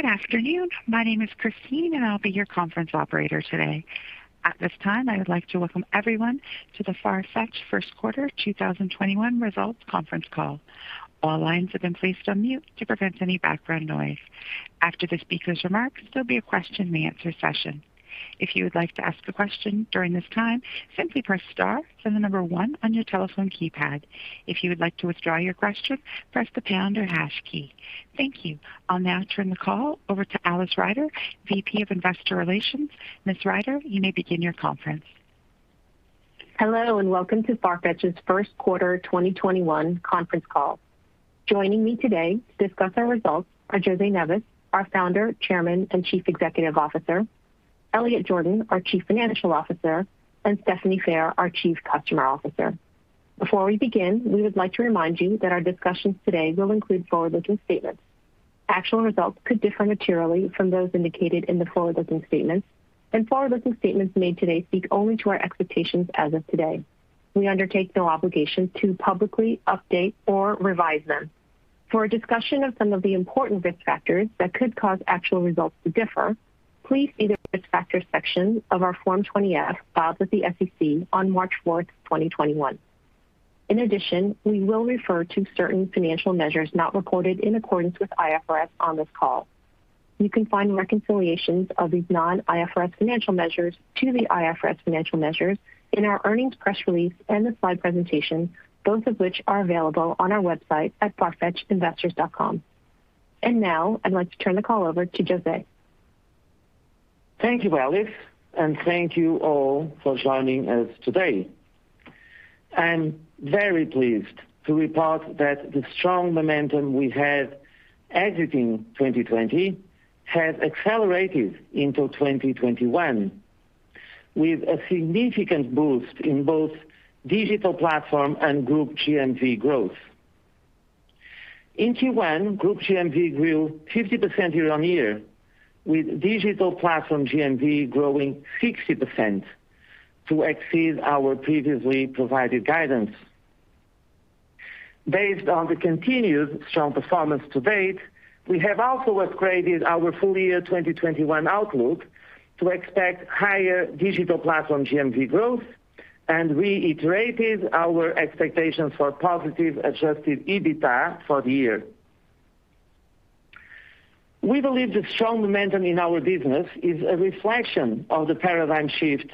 Good afternoon. My name is Christine, and I'll be your conference operator today. At this time, I would like to welcome everyone to the Farfetch first quarter 2021 results conference call. All lines have been placed on mute to prevent any background noise. After the speakers' remarks, there'll be a question and answer session. If you would like to ask a question during this time, simply press star, then the number one on your telephone keypad. If you would like to withdraw your question, press the pound or hash key. Thank you. I'll now turn the call over to Alice Ryder, VP of Investor Relations. Ms. Ryder, you may begin your conference. Hello, and welcome to Farfetch's first quarter 2021 conference call. Joining me today to discuss our results are José Neves, our Founder, Chairman, and Chief Executive Officer, Elliot Jordan, our Chief Financial Officer, and Stephanie Phair, our Chief Customer Officer. Before we begin, we would like to remind you that our discussions today will include forward-looking statements. Actual results could differ materially from those indicated in the forward-looking statements. Forward-looking statements made today speak only to our expectations as of today. We undertake no obligation to publicly update or revise them. For a discussion of some of the important risk factors that could cause actual results to differ, please see the risk factors section of our Form 20-F filed with the SEC on March 4th, 2021. In addition, we will refer to certain financial measures not reported in accordance with IFRS on this call. You can find reconciliations of these non-IFRS financial measures to the IFRS financial measures in our earnings press release and the slide presentation, both of which are available on our website at farfetchinvestors.com. Now I'd like to turn the call over to José. Thank you, Alice, and thank you all for joining us today. I'm very pleased to report that the strong momentum we had exiting 2020 has accelerated into 2021, with a significant boost in both digital platform and group GMV growth. In Q1, group GMV grew 50% year-on-year, with digital platform GMV growing 60% to exceed our previously provided guidance. Based on the continued strong performance to date, we have also upgraded our full year 2021 outlook to expect higher digital platform GMV growth and reiterated our expectations for positive adjusted EBITDA for the year. We believe the strong momentum in our business is a reflection of the paradigm shift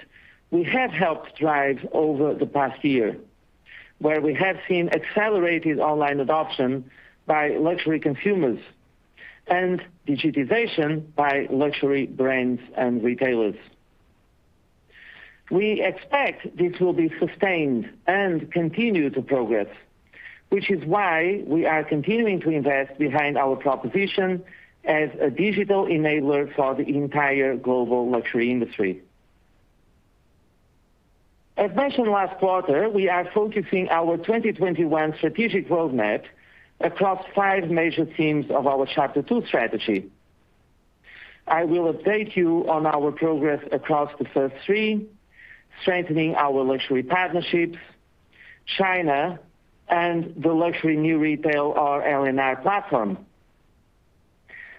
we have helped drive over the past year, where we have seen accelerated online adoption by luxury consumers and digitization by luxury brands and retailers. We expect this will be sustained and continue to progress, which is why we are continuing to invest behind our proposition as a digital enabler for the entire global luxury industry. As mentioned last quarter, we are focusing our 2021 strategic roadmap across five major themes of our Chapter Two strategy. I will update you on our progress across the first three, strengthening our luxury partnerships, China, and the luxury new retail, or LNR, platform.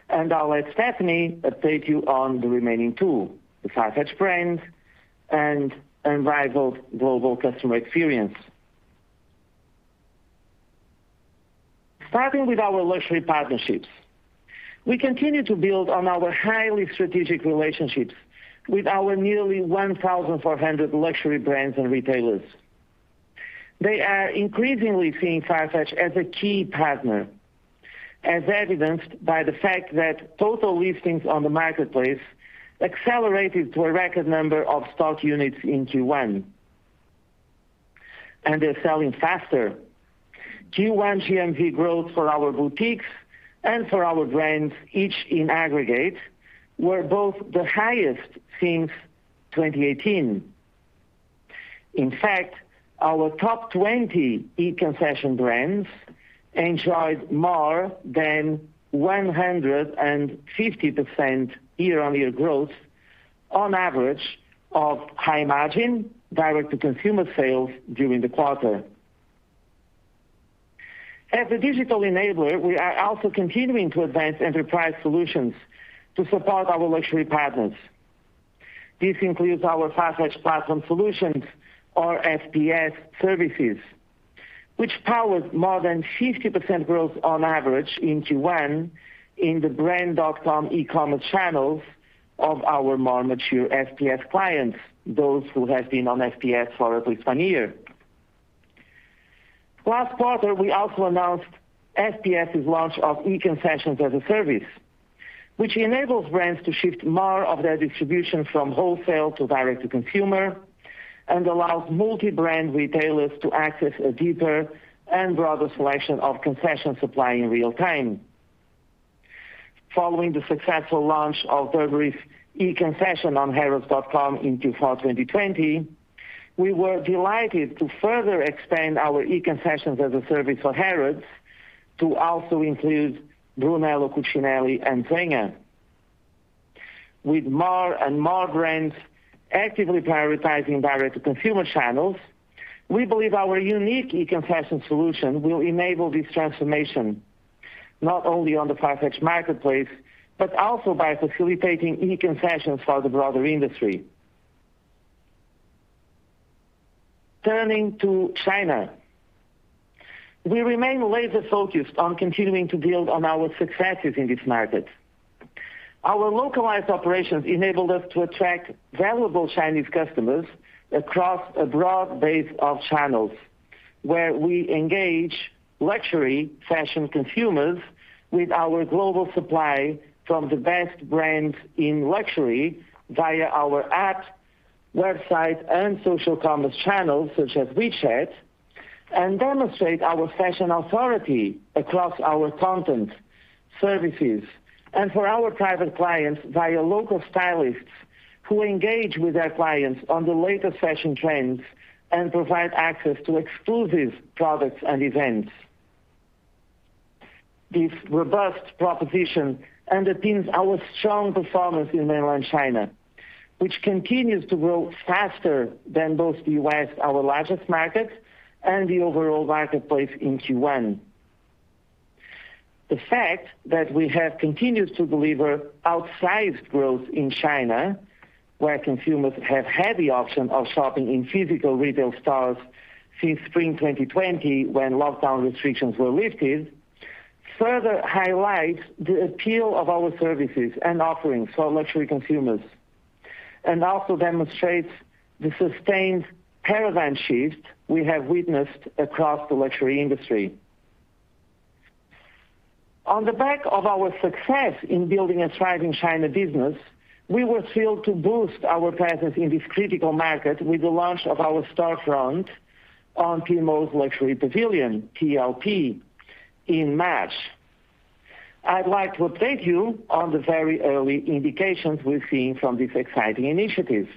I'll let Stephanie update you on the remaining two, the Farfetch brand and unrivaled global customer experience. Starting with our luxury partnerships, we continue to build on our highly strategic relationships with our nearly 1,400 luxury brands and retailers. They are increasingly seeing Farfetch as a key partner, as evidenced by the fact that total listings on the marketplace accelerated to a record number of stock units in Q1. They're selling faster. Q1 GMV growth for our boutiques and for our brands, each in aggregate, were both the highest since 2018. In fact, our top 20 e-concession brands enjoyed more than 150% year-on-year growth on average of high margin, direct-to-consumer sales during the quarter. As a digital enabler, we are also continuing to advance enterprise solutions to support our luxury partners. This includes our Farfetch Platform Solutions, or FPS, services, which powered more than 50% growth on average in Q1 in the brand.com e-commerce channels of our more mature FPS clients, those who have been on FPS for at least one year. Last quarter, we also announced FPS's launch of e-concessions as a service, which enables brands to shift more of their distribution from wholesale to direct to consumer and allows multi-brand retailers to access a deeper and broader selection of concession supply in real time. Following the successful launch of Burberry's e-concession on harrods.com in Q4 2020, we were delighted to further expand our e-concessions as a service for Harrods to also include Brunello Cucinelli and Zegna. With more and more brands actively prioritizing direct-to-consumer channels, we believe our unique e-concession solution will enable this transformation, not only on the Farfetch marketplace, but also by facilitating e-concessions for the broader industry. Turning to China, we remain laser-focused on continuing to build on our successes in this market. Our localized operations enabled us to attract valuable Chinese customers across a broad base of channels, where we engage luxury fashion consumers with our global supply from the best brands in luxury via our app, website, and social commerce channels such as WeChat, and demonstrate our fashion authority across our content services. For our private clients, via local stylists who engage with their clients on the latest fashion trends and provide access to exclusive products and events. This robust proposition underpins our strong performance in mainland China, which continues to grow faster than both the U.S., our largest market, and the overall marketplace in Q1. The fact that we have continued to deliver outsized growth in China, where consumers have had the option of shopping in physical retail stores since spring 2020 when lockdown restrictions were lifted, further highlights the appeal of our services and offerings for luxury consumers. Also demonstrates the sustained paradigm shift we have witnessed across the luxury industry. On the back of our success in building a thriving China business, we were thrilled to boost our presence in this critical market with the launch of our storefront on Tmall Luxury Pavilion, TLP, in March. I'd like to update you on the very early indications we're seeing from this exciting initiative.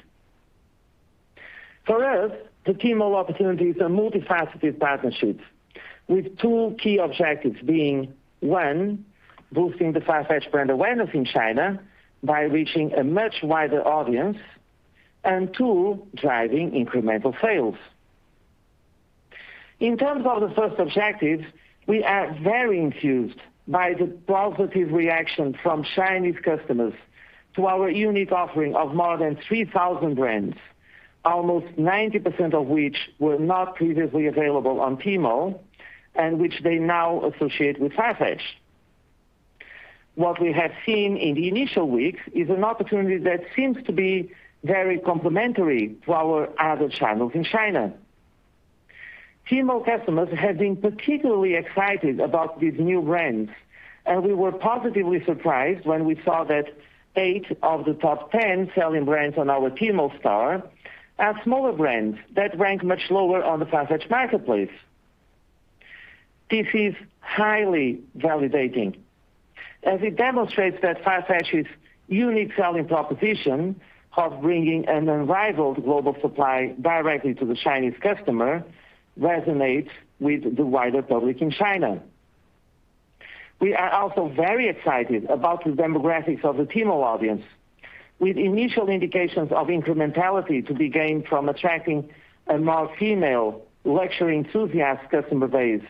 For us, the Tmall opportunity is a multifaceted partnership with two key objectives being, one, boosting the Farfetch brand awareness in China by reaching a much wider audience, and two, driving incremental sales. In terms of the first objective, we are very enthused by the positive reaction from Chinese customers to our unique offering of more than 3,000 brands, almost 90% of which were not previously available on Tmall, and which they now associate with Farfetch. What we have seen in the initial weeks is an opportunity that seems to be very complementary to our other channels in China. Tmall customers have been particularly excited about these new brands. We were positively surprised when we saw that eight of the top 10 selling brands on our Tmall store are smaller brands that rank much lower on the Farfetch marketplace. This is highly validating, as it demonstrates that Farfetch's unique selling proposition of bringing an unrivaled global supply directly to the Chinese customer resonates with the wider public in China. We are also very excited about the demographics of the Tmall audience. With initial indications of incrementality to be gained from attracting a more female luxury enthusiast customer base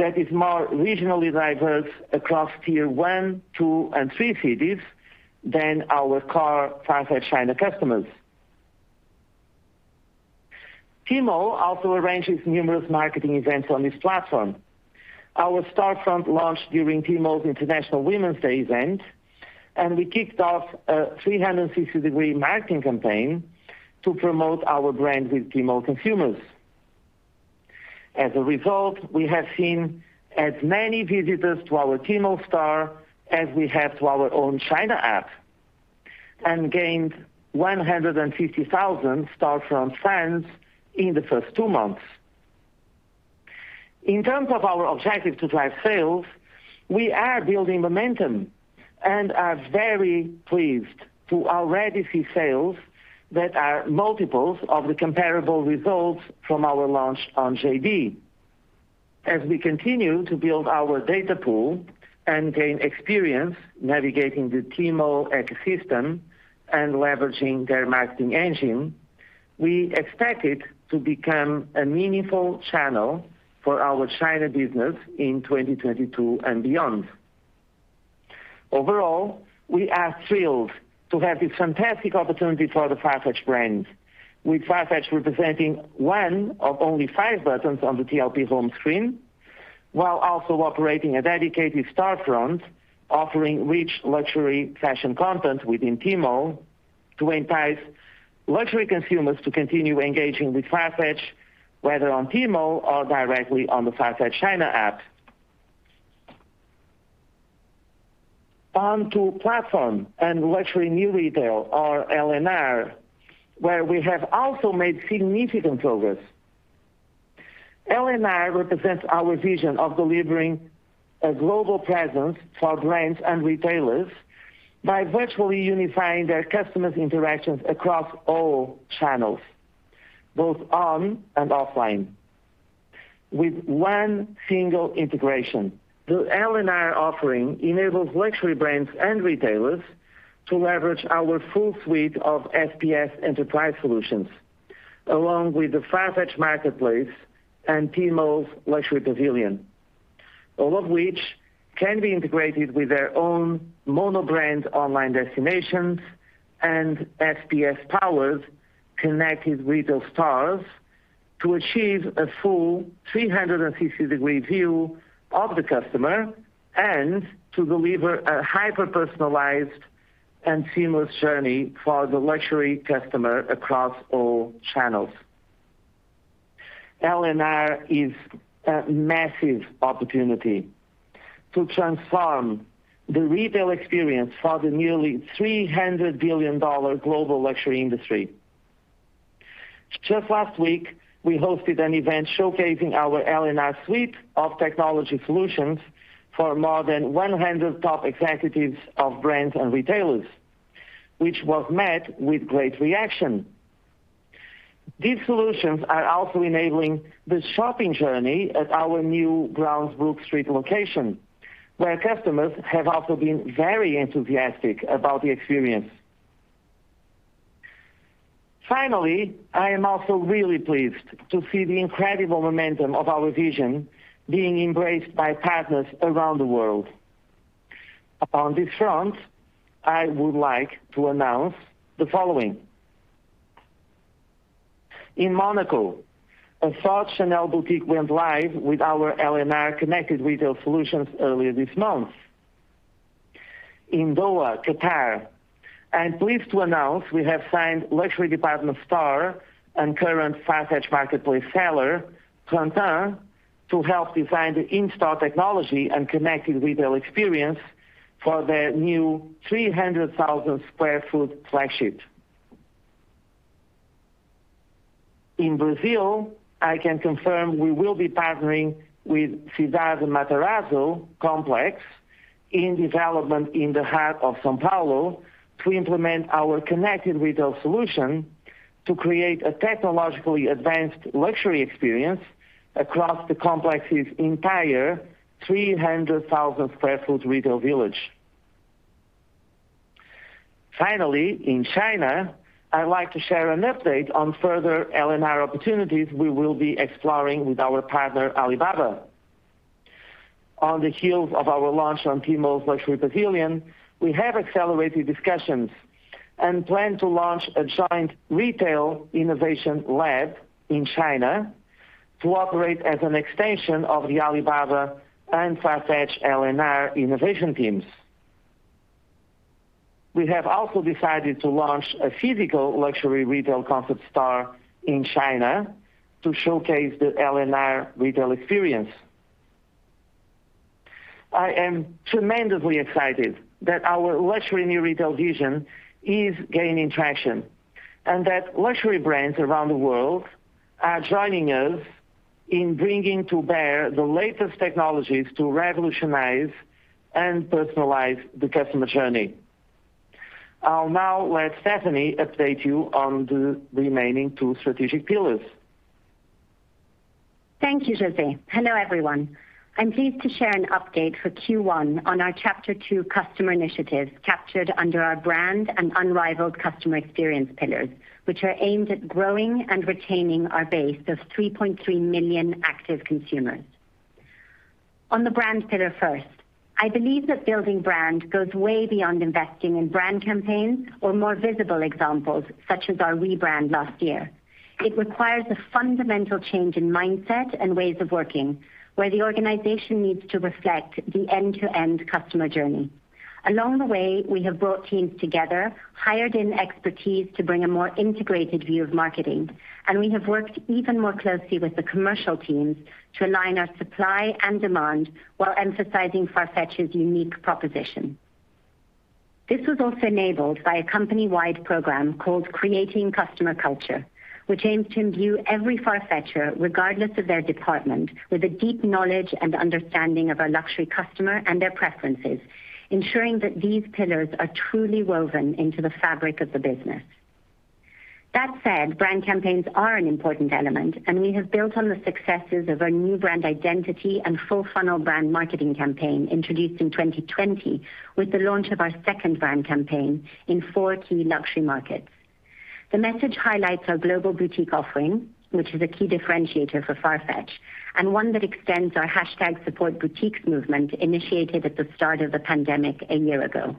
that is more regionally diverse across tier one, two, and three cities than our core Farfetch China customers. Tmall also arranges numerous marketing events on this platform. Our storefront launched during Tmall's International Women's Day event, and we kicked off a 360-degree marketing campaign to promote our brand with Tmall consumers. As a result, we have seen as many visitors to our Tmall store as we have to our own China app and gained 150,000 storefront fans in the first two months. In terms of our objective to drive sales, we are building momentum and are very pleased to already see sales that are multiples of the comparable results from our launch on JD.com. As we continue to build our data pool and gain experience navigating the Tmall ecosystem and leveraging their marketing engine, we expect it to become a meaningful channel for our China business in 2022 and beyond. Overall, we are thrilled to have this fantastic opportunity for the Farfetch brand. With Farfetch representing one of only five buttons on the TLP home screen, while also operating a dedicated storefront offering rich luxury fashion content within Tmall to entice luxury consumers to continue engaging with Farfetch, whether on Tmall or directly on the Farfetch China app. On to platform and luxury new retail or LNR, where we have also made significant progress. LNR represents our vision of delivering a global presence for brands and retailers by virtually unifying their customers' interactions across all channels, both on and offline. With one single integration. The LNR offering enables luxury brands and retailers to leverage our full suite of FPS enterprise solutions, along with the Farfetch marketplace and Tmall Luxury Pavilion. All of which can be integrated with their own mono brand online destinations and FPS powered connected retail stores to achieve a full 360-degree view of the customer, and to deliver a hyper-personalized and seamless journey for the luxury customer across all channels. LNR is a massive opportunity to transform the retail experience for the nearly $300 billion global luxury industry. Just last week, we hosted an event showcasing our LNR suite of technology solutions for more than 100 top executives of brands and retailers, which was met with great reaction. These solutions are also enabling the shopping journey at our new Browns Brook Street location, where customers have also been very enthusiastic about the experience. Finally, I am also really pleased to see the incredible momentum of our vision being embraced by partners around the world. Upon this front, I would like to announce the following. In Monaco, a Farfetch Chanel boutique went live with our LNR connected retail solutions earlier this month. In Doha, Qatar, I am pleased to announce we have signed luxury department store and current Farfetch marketplace seller, Printemps, to help design the in-store technology and connected retail experience for their new 300,000 sq ft flagship. In Brazil, I can confirm we will be partnering with Cidade Matarazzo complex in development in the heart of São Paulo to implement our connected retail solution to create a technologically advanced luxury experience across the complex's entire 300,000 sq ft retail village. Finally, in China, I'd like to share an update on further LNR opportunities we will be exploring with our partner, Alibaba. On the heels of our launch on Tmall Luxury Pavilion, we have accelerated discussions and plan to launch a joint retail innovation lab in China to operate as an extension of the Alibaba and Farfetch LNR innovation teams. We have also decided to launch a physical luxury retail concept store in China to showcase the LNR retail experience. I am tremendously excited that our luxury new retail vision is gaining traction, and that luxury brands around the world are joining us in bringing to bear the latest technologies to revolutionize and personalize the customer journey. I'll now let Stephanie update you on the remaining two strategic pillars. Thank you, José. Hello, everyone. I'm pleased to share an update for Q1 on our chapter two customer initiatives captured under our brand and unrivaled customer experience pillars, which are aimed at growing and retaining our base of 3.3 million active consumers. On the brand pillar first, I believe that building brand goes way beyond investing in brand campaigns or more visible examples such as our rebrand last year. It requires a fundamental change in mindset and ways of working, where the organization needs to reflect the end-to-end customer journey. Along the way, we have brought teams together, hired in expertise to bring a more integrated view of marketing, and we have worked even more closely with the commercial teams to align our supply and demand while emphasizing Farfetch's unique proposition. This was also enabled by a company-wide program called Creating Customer Culture, which aims to imbue every Farfetcher, regardless of their department, with a deep knowledge and understanding of our luxury customer and their preferences, ensuring that these pillars are truly woven into the fabric of the business. That said, brand campaigns are an important element, and we have built on the successes of our new brand identity and full funnel brand marketing campaign introduced in 2020 with the launch of our second brand campaign in four key luxury markets. The message highlights our global boutique offering, which is a key differentiator for Farfetch, and one that extends our #supportboutiques movement initiated at the start of the pandemic a year ago.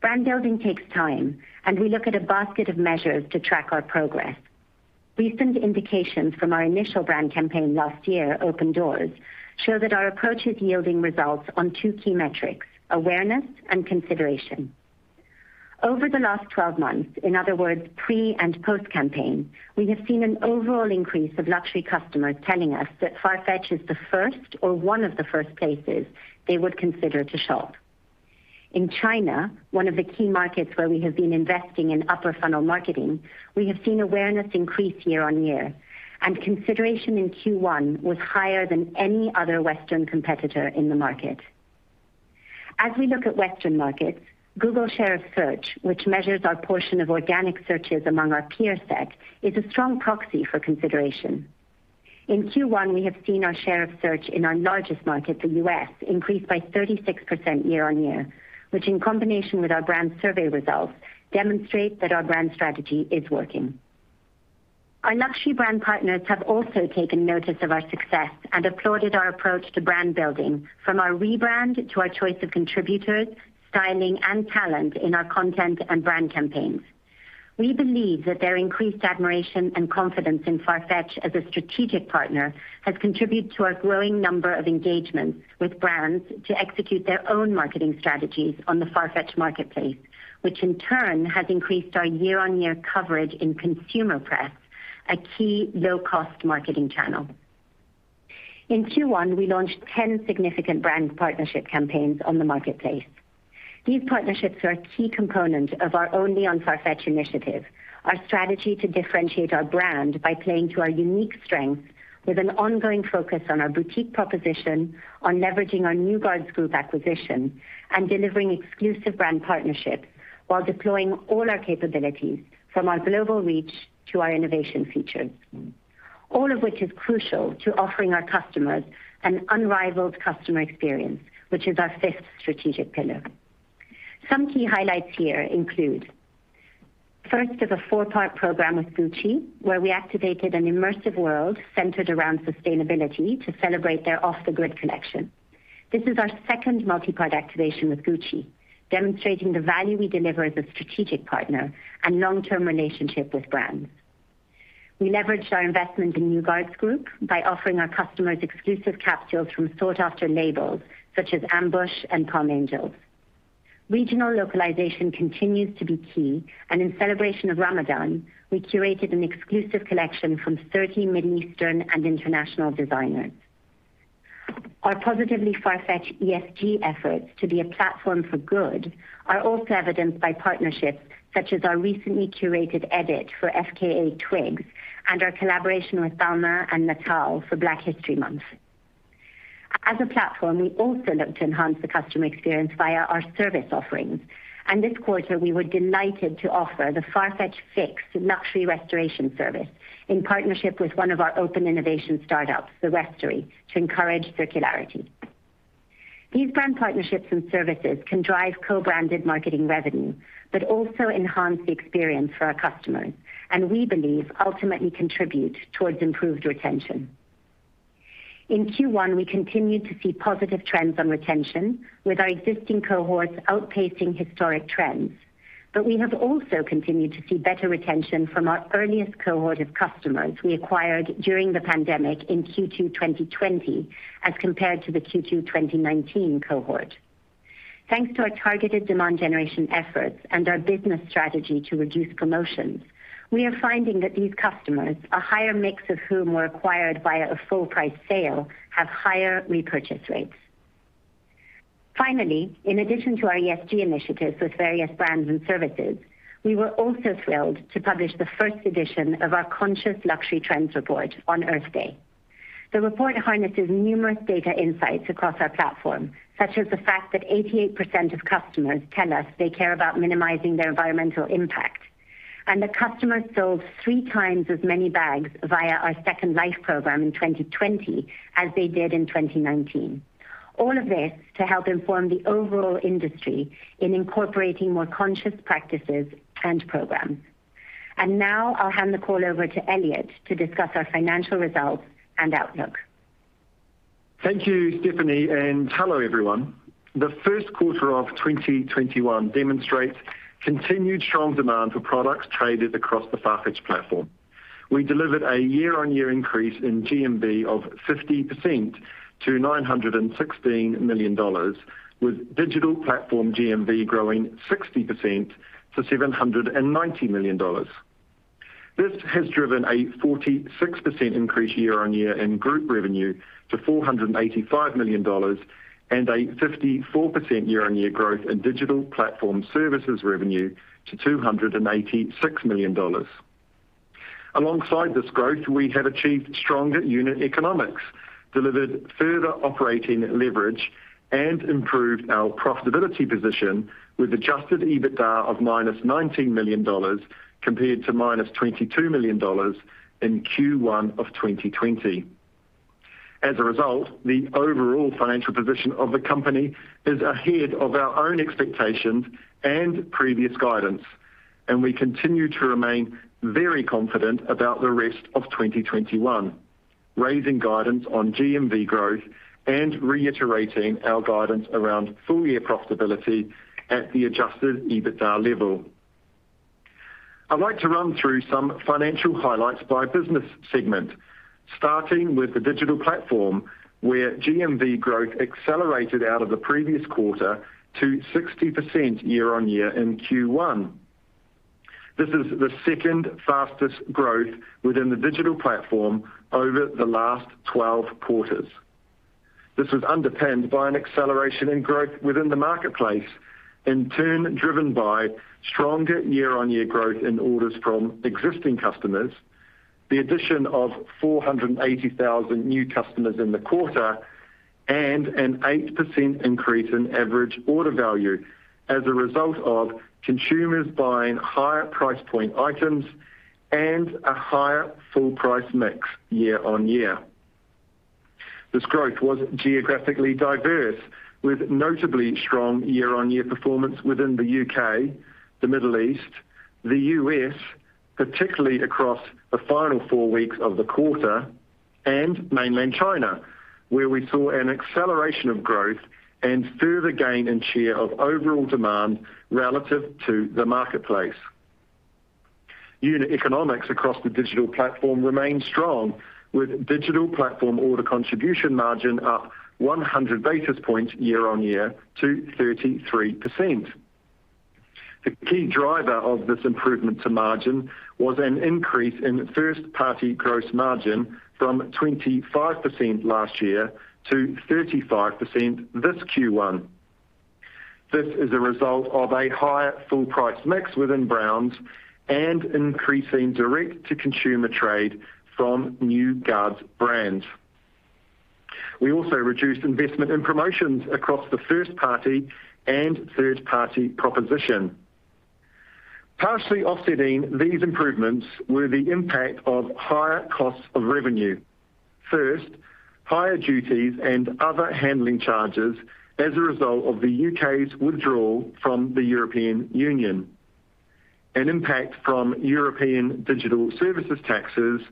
Brand building takes time, and we look at a basket of measures to track our progress. Recent indications from our initial brand campaign last year, Open Doors, show that our approach is yielding results on two key metrics, awareness and consideration. Over the last 12 months, in other words, pre and post-campaign, we have seen an overall increase of luxury customers telling us that Farfetch is the first or one of the first places they would consider to shop. In China, one of the key markets where we have been investing in upper funnel marketing, we have seen awareness increase year-on-year, and consideration in Q1 was higher than any other Western competitor in the market. As we look at Western markets, Google share of search, which measures our portion of organic searches among our peer set, is a strong proxy for consideration. In Q1, we have seen our share of search in our largest market, the U.S., increase by 36% year-on-year, which in combination with our brand survey results, demonstrate that our brand strategy is working. Our luxury brand partners have also taken notice of our success and applauded our approach to brand building, from our rebrand to our choice of contributors, styling, and talent in our content and brand campaigns. We believe that their increased admiration and confidence in Farfetch as a strategic partner has contributed to our growing number of engagements with brands to execute their own marketing strategies on the Farfetch marketplace, which in turn has increased our year-on-year coverage in consumer press, a key low-cost marketing channel. In Q1, we launched 10 significant brand partnership campaigns on the marketplace. These partnerships are a key component of our Only on Farfetch initiative, our strategy to differentiate our brand by playing to our unique strengths with an ongoing focus on our boutique proposition, on leveraging our New Guards Group acquisition, and delivering exclusive brand partnerships while deploying all our capabilities from our global reach to our innovation features. All of which is crucial to offering our customers an unrivaled customer experience, which is our fifth strategic pillar. Some key highlights here include, first of a four-part program with Gucci, where we activated an immersive world centered around sustainability to celebrate their Off The Grid collection. This is our second multi-part activation with Gucci, demonstrating the value we deliver as a strategic partner and long-term relationship with brands. We leveraged our investment in New Guards Group by offering our customers exclusive capsules from sought-after labels such as Ambush and Palm Angels. Regional localization continues to be key, and in celebration of Ramadan, we curated an exclusive collection from 30 Middle Eastern and international designers. Our Positively Farfetch ESG efforts to be a platform for good are also evidenced by partnerships such as our recently curated edit for FKA Twigs and our collaboration with Telfar and Nataal for Black History Month. As a platform, we also look to enhance the customer experience via our service offerings, and this quarter, we were delighted to offer the Farfetch Fix luxury restoration service in partnership with one of our open innovation startups, The Restory, to encourage circularity. These brand partnerships and services can drive co-branded marketing revenue, but also enhance the experience for our customers, and we believe ultimately contribute towards improved retention. In Q1, we continued to see positive trends on retention, with our existing cohorts outpacing historic trends. We have also continued to see better retention from our earliest cohort of customers we acquired during the pandemic in Q2 2020 as compared to the Q2 2019 cohort. Thanks to our targeted demand generation efforts and our business strategy to reduce promotions, we are finding that these customers, a higher mix of whom were acquired via a full price sale, have higher repurchase rates. Finally, in addition to our ESG initiatives with various brands and services, we were also thrilled to publish the first edition of our Conscious Luxury Trends report on Earth Day. The report harnesses numerous data insights across our platform, such as the fact that 88% of customers tell us they care about minimizing their environmental impact, and the customers sold 3x as many bags via our Second Life program in 2020 as they did in 2019. All of this to help inform the overall industry in incorporating more conscious practices and programs. Now I'll hand the call over to Elliot to discuss our financial results and outlook. Thank you, Stephanie, and hello, everyone. The first quarter of 2021 demonstrates continued strong demand for products traded across the Farfetch platform. We delivered a year-on-year increase in GMV of 50% to $916 million, with Digital Platform GMV growing 60% to $790 million. This has driven a 46% increase year-on-year in group revenue to $485 million and a 54% year-on-year growth in Digital Platform services revenue to $286 million. Alongside this growth, we have achieved stronger unit economics, delivered further operating leverage, and improved our profitability position with adjusted EBITDA of -$19 million compared to -$22 million in Q1 of 2020. As a result, the overall financial position of the company is ahead of our own expectations and previous guidance, and we continue to remain very confident about the rest of 2021, raising guidance on GMV growth and reiterating our guidance around full-year profitability at the adjusted EBITDA level. I'd like to run through some financial highlights by business segment, starting with the Digital Platform, where GMV growth accelerated out of the previous quarter to 60% year-on-year in Q1. This is the second fastest growth within the Digital Platform over the last 12 quarters. This was underpinned by an acceleration in growth within the marketplace. In turn, driven by stronger year-on-year growth in orders from existing customers, the addition of 480,000 new customers in the quarter, and an 8% increase in average order value as a result of consumers buying higher price point items and a higher full price mix year-on-year. This growth was geographically diverse with notably strong year-on-year performance within the U.K., the Middle East, the U.S., particularly across the final four weeks of the quarter, and Mainland China, where we saw an acceleration of growth and further gain in share of overall demand relative to the marketplace. Unit economics across the digital platform remained strong, with digital platform order contribution margin up 100 basis points year-on-year to 33%. The key driver of this improvement to margin was an increase in first-party gross margin from 25% last year to 35% this Q1. This is a result of a higher full price mix within brands and increasing direct-to-consumer trade from New Guards brands. We also reduced investment in promotions across the first-party and third-party proposition. Partially offsetting these improvements were the impact of higher costs of revenue. First, higher duties and other handling charges as a result of the U.K.'s withdrawal from the European Union, an impact from European digital services taxes,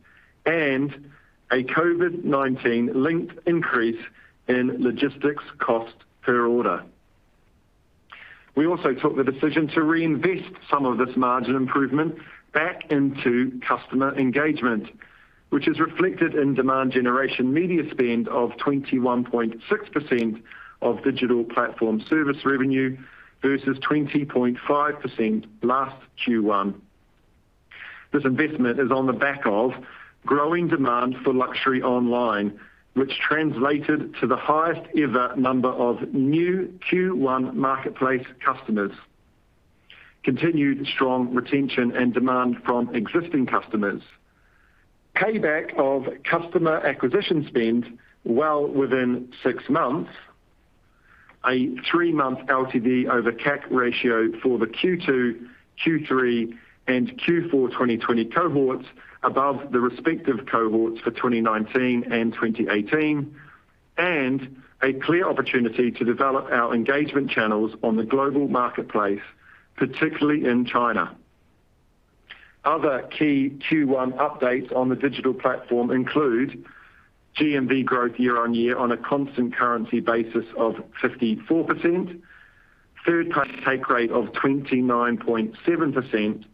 and a COVID-19-linked increase in logistics cost per order. We also took the decision to reinvest some of this margin improvement back into customer engagement, which is reflected in demand generation media spend of 21.6% of digital platform service revenue versus 20.5% last Q1. This investment is on the back of growing demand for luxury online, which translated to the highest ever number of new Q1 marketplace customers, continued strong retention and demand from existing customers, payback of customer acquisition spend well within six months, a three-month LTV over CAC ratio for the Q2, Q3, and Q4 2020 cohorts above the respective cohorts for 2019 and 2018, and a clear opportunity to develop our engagement channels on the global marketplace, particularly in China. Other key Q1 updates on the digital platform include GMV growth year-on-year on a constant currency basis of 54%, third-party take rate of 29.7%,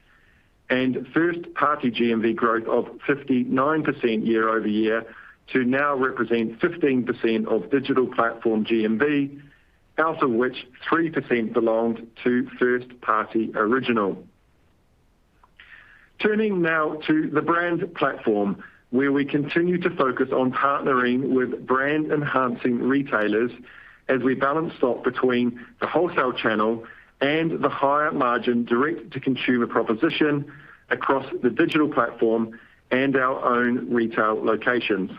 and first-party GMV growth of 59% year-over-year to now represent 15% of digital platform GMV, out of which 3% belonged to first-party original. Turning now to the brand platform, where we continue to focus on partnering with brand-enhancing retailers as we balance stock between the wholesale channel and the higher margin direct-to-consumer proposition across the digital platform and our own retail locations.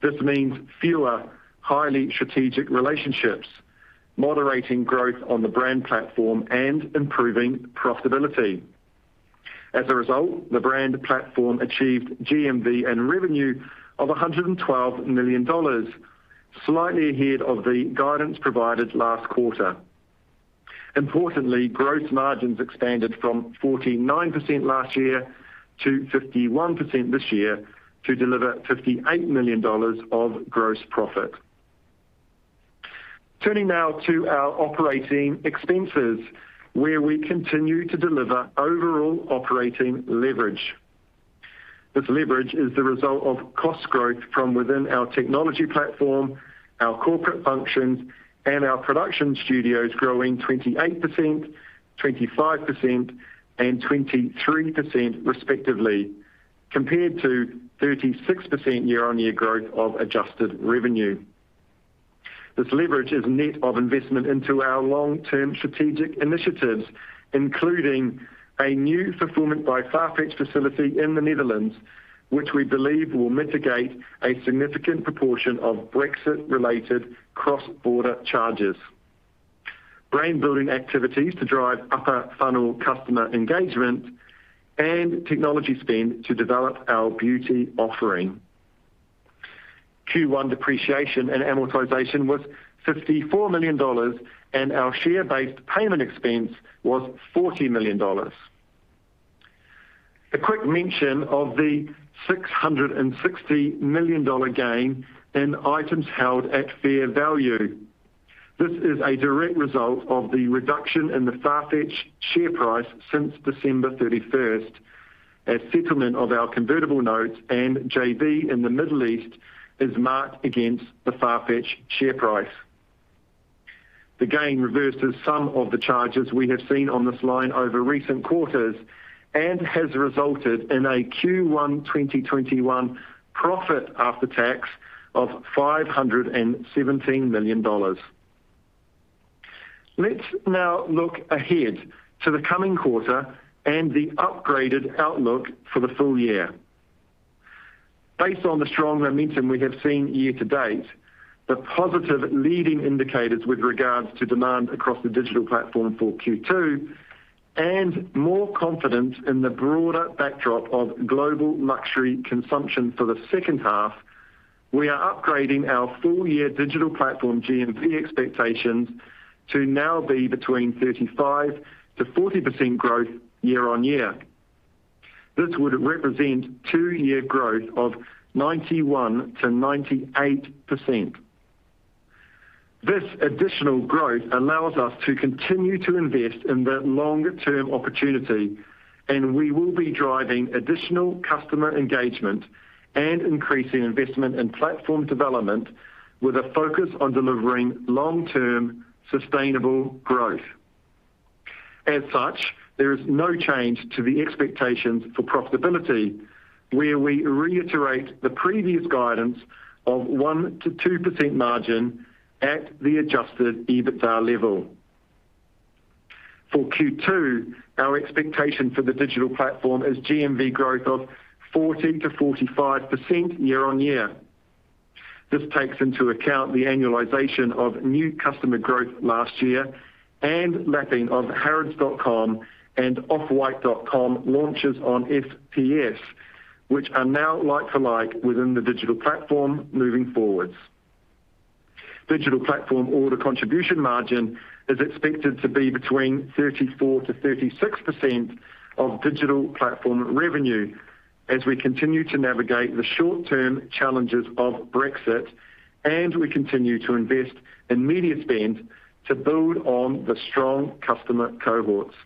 This means fewer highly strategic relationships, moderating growth on the brand platform, and improving profitability. As a result, the brand platform achieved GMV and revenue of $112 million, slightly ahead of the guidance provided last quarter. Importantly, gross margins expanded from 49% last year to 51% this year to deliver $58 million of gross profit. Turning now to our operating expenses, where we continue to deliver overall operating leverage. This leverage is the result of cost growth from within our technology platform, our corporate functions, and our production studios growing 28%, 25%, and 23% respectively, compared to 36% year-on-year growth of adjusted revenue. This leverage is net of investment into our long-term strategic initiatives, including a new Fulfillment by Farfetch facility in the Netherlands, which we believe will mitigate a significant proportion of Brexit-related cross-border charges, brand building activities to drive upper funnel customer engagement, and technology spend to develop our beauty offering. Q1 depreciation and amortization was $54 million, and our share-based payment expense was $40 million. A quick mention of the $660 million gain in items held at fair value. This is a direct result of the reduction in the Farfetch share price since December 31st, as settlement of our convertible notes and JV in the Middle East is marked against the Farfetch share price. The gain reverses some of the charges we have seen on this line over recent quarters and has resulted in a Q1 2021 profit after tax of $517 million. Let's now look ahead to the coming quarter and the upgraded outlook for the full-year. Based on the strong momentum we have seen year to date, the positive leading indicators with regards to demand across the digital platform for Q2, and more confidence in the broader backdrop of global luxury consumption for the second half, we are upgrading our full-year digital platform GMV expectations to now be between 35%-40% growth year-on-year. This would represent two-year growth of 91% to 98%. This additional growth allows us to continue to invest in the longer-term opportunity, and we will be driving additional customer engagement and increasing investment in platform development with a focus on delivering long-term sustainable growth. As such, there is no change to the expectations for profitability, where we reiterate the previous guidance of 1%-2% margin at the adjusted EBITDA level. For Q2, our expectation for the digital platform is GMV growth of 40%-45% year-on-year. This takes into account the annualization of new customer growth last year and lapping of harrods.com and off-white.com launches on FPS, which are now like for like within the digital platform moving forwards. Digital platform order contribution margin is expected to be between 34%-36% of digital platform revenue as we continue to navigate the short-term challenges of Brexit, and we continue to invest in media spend to build on the strong customer cohorts.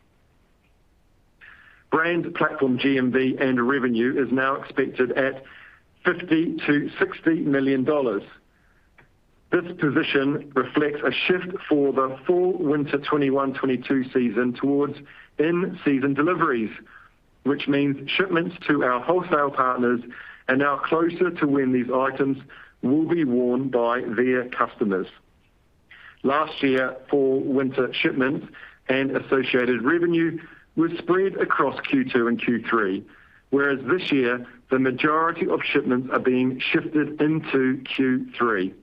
Brand platform GMV and revenue is now expected at $50 million-$60 million. This position reflects a shift for the fall/winter 2021/2022 season towards in-season deliveries, which means shipments to our wholesale partners are now closer to when these items will be worn by their customers. Last year, fall/winter shipments and associated revenue were spread across Q2 and Q3, whereas this year, the majority of shipments are being shifted into Q3.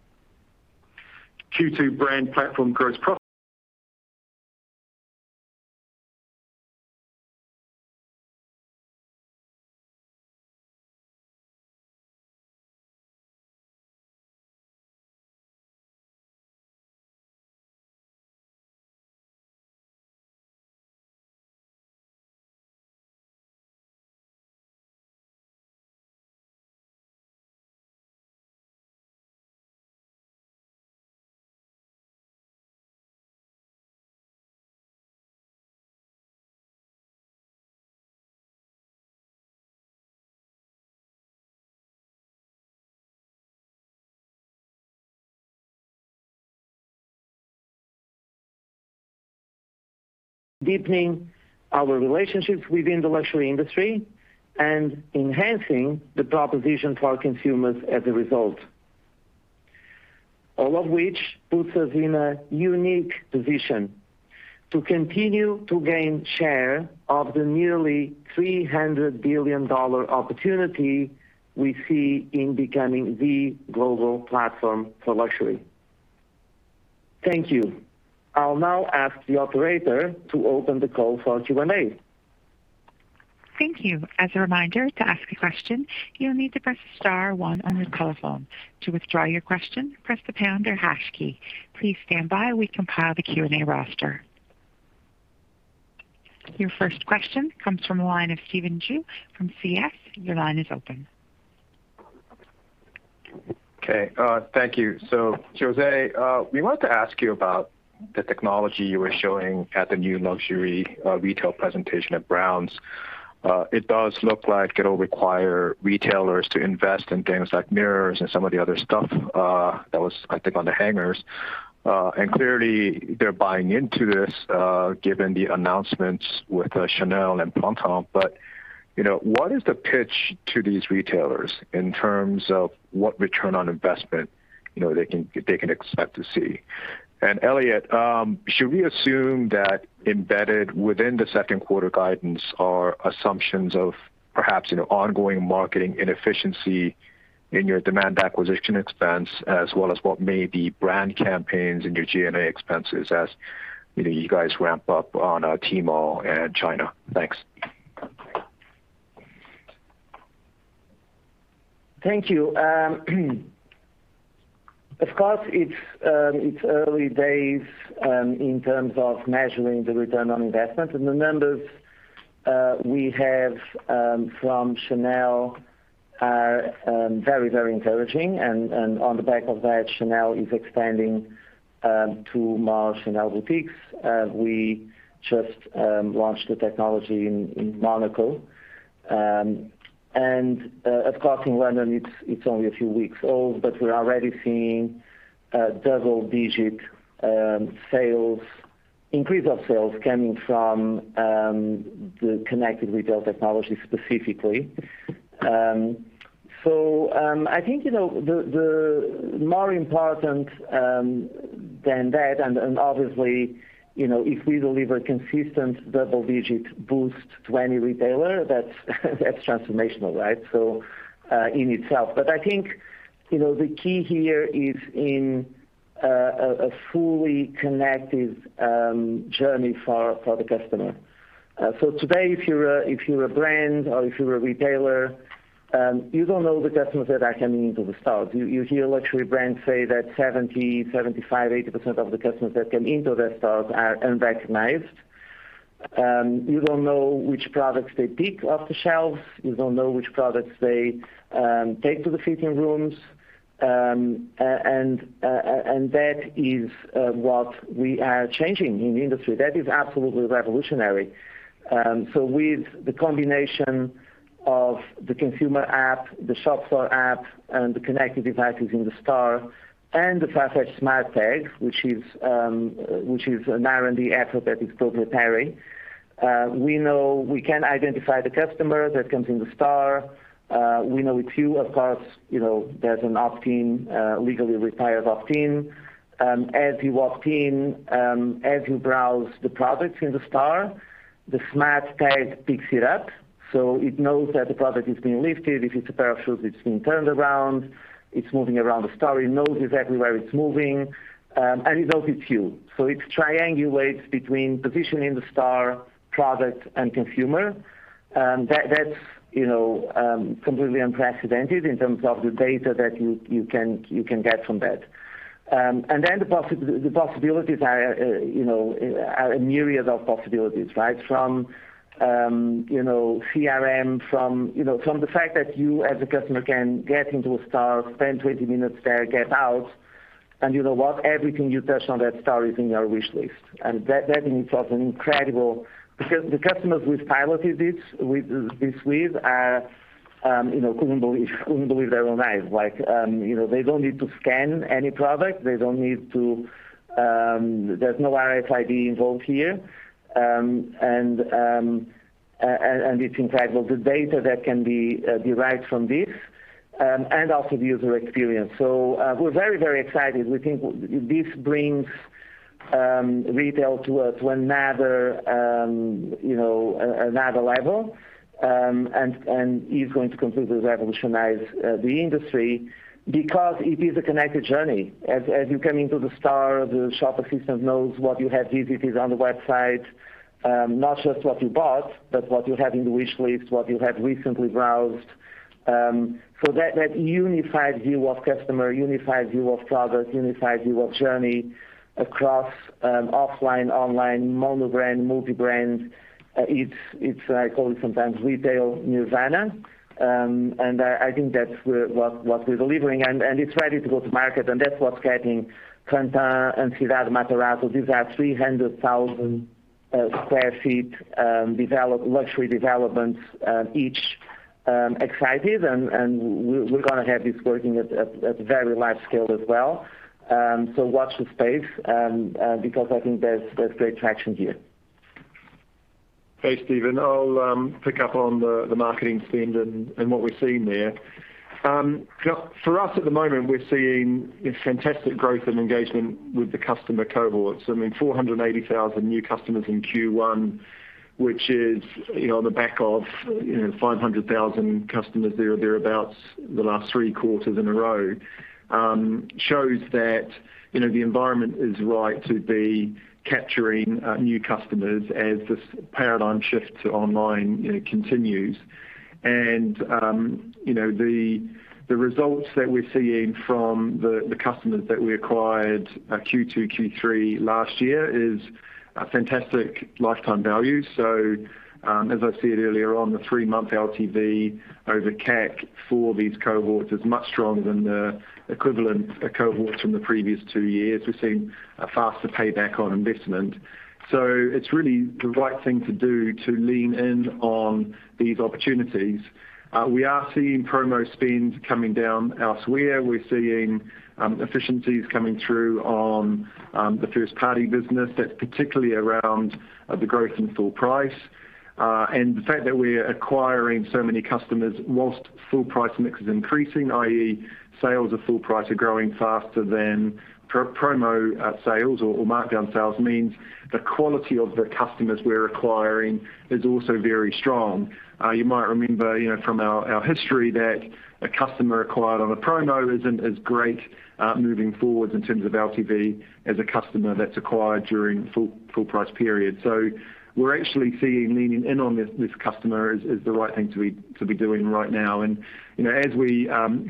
Q2 brand platform gross profit. Deepening our relationships within the luxury industry and enhancing the proposition for our consumers as a result. All of which puts us in a unique position to continue to gain share of the nearly $300 billion opportunity we see in becoming the global platform for luxury. Thank you. I'll now ask the operator to open the call for Q&A. Thank you. As a reminder, to ask a question, you'll need to press star one on your telephone. To withdraw your question, press the pound or hash key. Your first question comes from the line of Stephen Ju from CS. Okay. Thank you. José, we wanted to ask you about the technology you were showing at the new luxury retail presentation at Browns. It does look like it will require retailers to invest in things like mirrors and some of the other stuff that was, I think, on the hangers. Clearly, they're buying into this, given the announcements with Chanel and Printemps. What is the pitch to these retailers in terms of what return on investment they can expect to see? Elliot, should we assume that embedded within the second quarter guidance are assumptions of perhaps ongoing marketing inefficiency in your demand acquisition expense, as well as what may be brand campaigns in your G&A expenses as you guys ramp up on Tmall and China? Thanks. Thank you. Of course, it's early days in terms of measuring the return on investment. The numbers we have from Chanel are very encouraging. On the back of that, Chanel is expanding to more Chanel boutiques. We just launched the technology in Monaco. Of course, in London, it's only a few weeks old. We're already seeing double-digit increase of sales coming from the connected retail technology specifically. I think, the more important than that, obviously, if we deliver consistent double-digit boost to any retailer, that's transformational, right? In itself. I think, the key here is in a fully connected journey for the customer. Today, if you're a brand or if you're a retailer, you don't know the customers that are coming into the store. You hear luxury brands say that 70, 75, 80% of the customers that come into their stores are unrecognized. You don't know which products they pick off the shelves. You don't know which products they take to the fitting rooms. That is what we are changing in the industry. That is absolutely revolutionary. With the combination of the consumer app, the shop floor app, and the connected devices in the store, and the Farfetch Smart Tag, which is now in the app that is proprietary. We know we can identify the customer that comes in the store. We know it's you, of course, there's an opt-in, legally required opt-in. As you opt-in, as you browse the products in the store, the Farfetch Smart Tag picks it up. It knows that the product is being lifted. If it's a pair of shoes that's been turned around, it's moving around the store, it knows it's everywhere it's moving. It knows it's you. It triangulates between position in the store, product, and consumer. That's completely unprecedented in terms of the data that you can get from that. The possibilities are a myriad of possibilities, right? From CRM, from the fact that you, as a customer, can get into a store, spend 20 minutes there, get out. You know what? Everything you touch on that store is in your wishlist. That in itself is incredible because the customers we've piloted this with couldn't believe their own eyes. They don't need to scan any product. There's no RFID involved here. It's incredible. The data that can be derived from this, and also the user experience. We're very excited. We think this brings retail to another level, and is going to completely revolutionize the industry because it is a connected journey. As you come into the store, the shop assistant knows what you have visited on the website. Not just what you bought, but what you have in the wishlist, what you have recently browsed. That unified view of customer, unified view of product, unified view of journey across offline, online, mono brand, multi-brand, I call it sometimes retail nirvana. I think that's what we're delivering, and it's ready to go to market, and that's what's getting Printemps and Cidade Matarazzo, these are 300,000 sq ft luxury developments, each excited, and we're going to have this working at very large scale as well. Watch this space, because I think there's great traction here. Thanks, Stephen. I'll pick up on the marketing spend and what we're seeing there. For us at the moment, we're seeing fantastic growth and engagement with the customer cohorts. I mean, 480,000 new customers in Q1, which is on the back of 500,000 customers, there or thereabouts the last three quarters in a row, shows that the environment is right to be capturing new customers as this paradigm shift to online continues. The results that we're seeing from the customers that we acquired Q2, Q3 last year is a fantastic lifetime value. As I said earlier on, the three-month LTV over CAC for these cohorts is much stronger than the equivalent cohorts from the previous two years. We've seen a faster payback on investment. It's really the right thing to do to lean in on these opportunities. We are seeing promo spend coming down elsewhere. We're seeing efficiencies coming through on the first-party business. That's particularly around the growth in full price. The fact that we're acquiring so many customers whilst full-price mix is increasing, i.e., sales of full price are growing faster than promo sales or markdown sales means the quality of the customers we're acquiring is also very strong. You might remember, from our history that a customer acquired on a promo isn't as great moving forwards in terms of LTV as a customer that's acquired during full-price period. We're actually seeing leaning in on this customer is the right thing to be doing right now. As we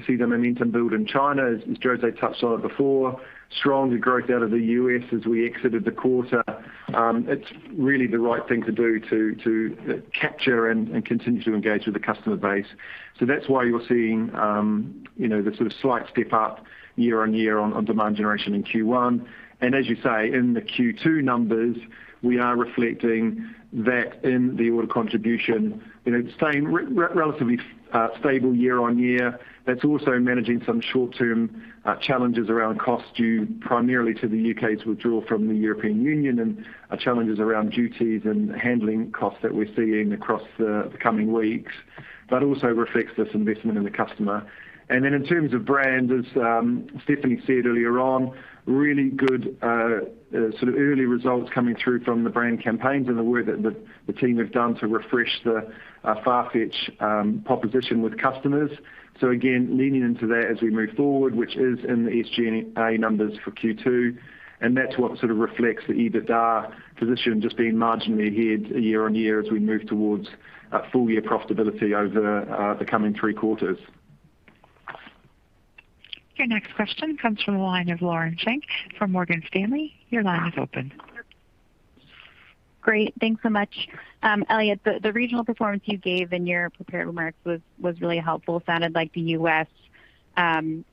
see the momentum build in China, as José touched on it before, strong growth out of the U.S. as we exited the quarter. It's really the right thing to do to capture and continue to engage with the customer base. That's why you're seeing the sort of slight step-up year-on-year on demand generation in Q1. As you say, in the Q2 numbers, we are reflecting that in the order contribution. It's staying relatively stable year-on-year. Also managing some short-term challenges around cost due primarily to the U.K.'s withdrawal from the European Union and challenges around duties and handling costs that we're seeing across the coming weeks. Also reflects this investment in the customer. In terms of brand, as Stephanie said earlier on, really good sort of early results coming through from the brand campaigns and the work that the team have done to refresh the Farfetch proposition with customers. Again, leaning into that as we move forward, which is in the SG&A numbers for Q2, and that's what sort of reflects the EBITDA position, just being marginally ahead year-on-year as we move towards full year profitability over the coming three quarters. Your next question comes from the line of Lauren Schenk from Morgan Stanley. Your line is open. Great. Thanks so much. Elliot, the regional performance you gave in your prepared remarks was really helpful. Sounded like the U.S.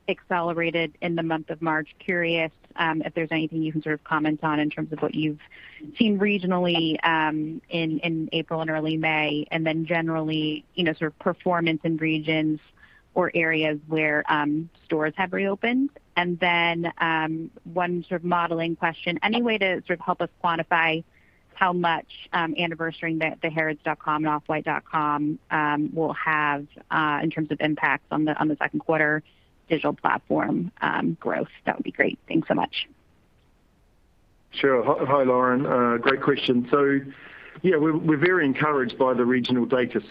accelerated in the month of March. Curious if there's anything you can sort of comment on in terms of what you've seen regionally in April and early May, and then generally, sort of performance in regions or areas where stores have reopened. One sort of modeling question, any way to sort of help us quantify how much anniversarying the harrods.com and off-white.com will have in terms of impacts on the second quarter digital platform growth? That would be great. Thanks so much. Sure. Hi, Lauren. Great question. Yeah, we're very encouraged by the regional data.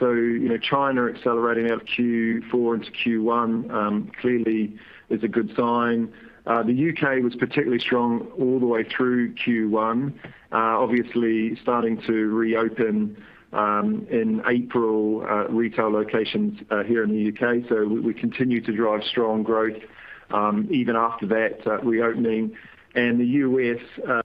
China accelerating out of Q4 into Q1 clearly is a good sign. The U.K. was particularly strong all the way through Q1. Obviously starting to reopen, in April, retail locations here in the U.K. We continue to drive strong growth, even after that reopening. The U.S.,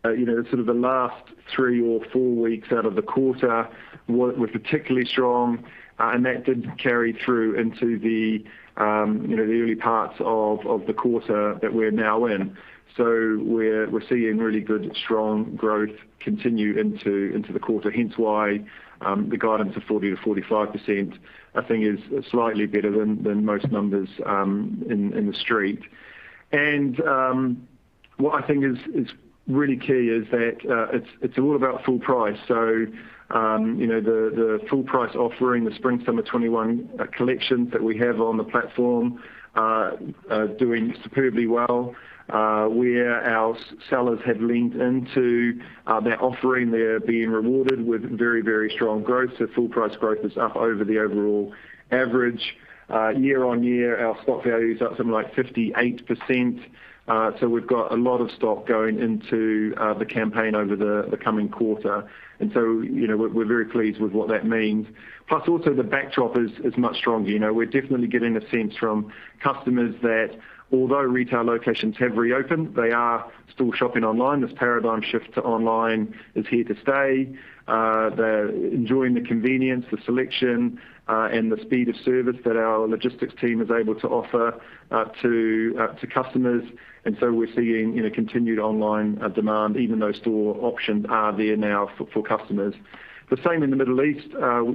sort of the last three or four weeks out of the quarter were particularly strong, and that did carry through into the early parts of the quarter that we're now in. We're seeing really good, strong growth continue into the quarter, hence why the guidance of 40%-45%, I think, is slightly better than most numbers in the street. What I think is really key is that it's all about full price. The full price offering, the spring/summer 2021 collections that we have on the platform are doing superbly well. Where our sellers have leaned into their offering, they're being rewarded with very, very strong growth. Full price growth is up over the overall average. Year on year, our stock value is up something like 58%, so we've got a lot of stock going into the campaign over the coming quarter. We're very pleased with what that means. Plus also the backdrop is much stronger. We're definitely getting a sense from customers that although retail locations have reopened, they are still shopping online. This paradigm shift to online is here to stay. They're enjoying the convenience, the selection, and the speed of service that our logistics team is able to offer to customers. We're seeing continued online demand, even though store options are there now for customers. The same in the Middle East.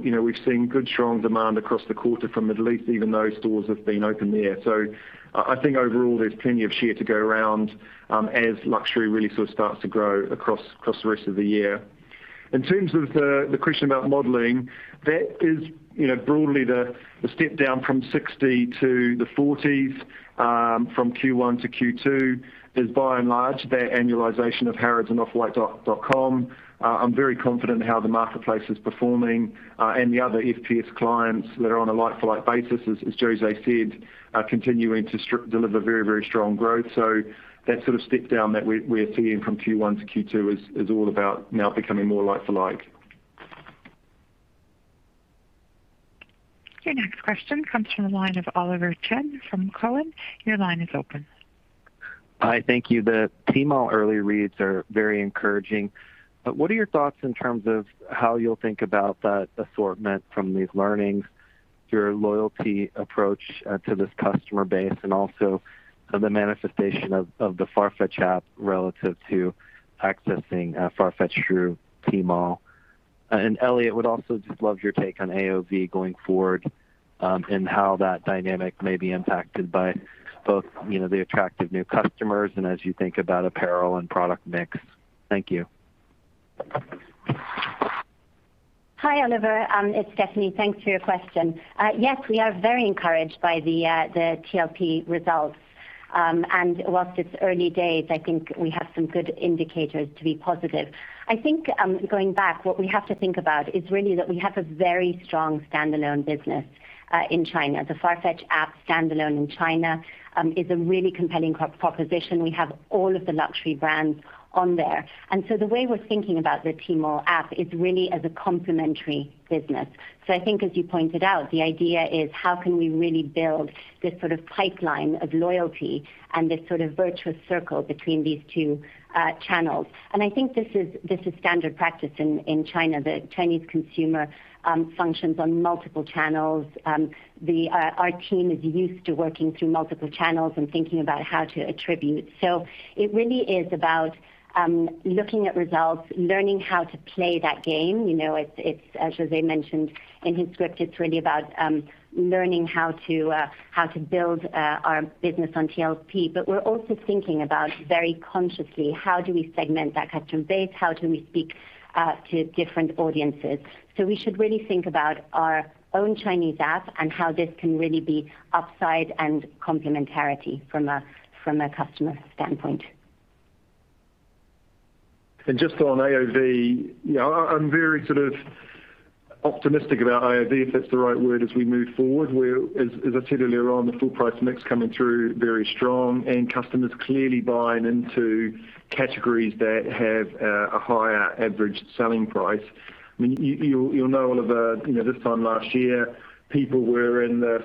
We've seen good, strong demand across the quarter from Middle East, even though stores have been open there. I think overall, there's plenty of share to go around, as luxury really sort of starts to grow across the rest of the year. In terms of the question about modeling, that is broadly the step down from 60 to the 40s, from Q1 to Q2, is by and large that annualization of Harrods and off---white.com. I'm very confident in how the marketplace is performing. The other FPS clients that are on a like-for-like basis, as José said, are continuing to deliver very, very strong growth. That sort of step down that we're seeing from Q1 to Q2 is all about now becoming more like for like. Your next question comes from the line of Oliver Chen from Cowen. Hi, thank you. The Tmall early reads are very encouraging. What are your thoughts in terms of how you'll think about that assortment from these learnings, your loyalty approach to this customer base, and also the manifestation of the Farfetch app relative to accessing Farfetch through Tmall? Elliot, would also just love your take on AOV going forward, and how that dynamic may be impacted by both the attractive new customers and as you think about apparel and product mix. Thank you. Hi, Oliver. It's Stephanie. Thanks for your question. Yes, we are very encouraged by the TLP results. Whilst it's early days, I think we have some good indicators to be positive. I think, going back, what we have to think about is really that we have a very strong standalone business in China. The Farfetch app standalone in China is a really compelling proposition. We have all of the luxury brands on there. The way we're thinking about the Tmall app is really as a complementary business. I think as you pointed out, the idea is how can we really build this sort of pipeline of loyalty and this sort of virtuous circle between these two channels. I think this is standard practice in China. The Chinese consumer functions on multiple channels. Our team is used to working through multiple channels and thinking about how to attribute. It really is about looking at results, learning how to play that game. As José mentioned in his script, it's really about learning how to build our business on TLP. We're also thinking about very consciously, how do we segment that customer base? How do we speak to different audiences? We should really think about our own Chinese app and how this can really be upside and complementarity from a customer standpoint. Just on AOV, I'm very sort of optimistic about AOV, if that's the right word, as we move forward, where, as I said earlier on, the full price mix coming through very strong and customers clearly buying into categories that have a higher average selling price. I mean, you'll know, Oliver, this time last year. People were in the